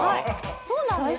そうなんです。